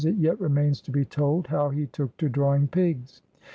It yet remains to be told how he took to drawing pigs.